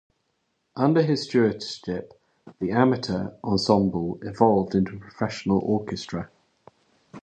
Under his stewardship, the amateur ensemble evolved into a professional orchestra.